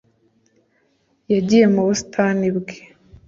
Yagiye mu busitani bwe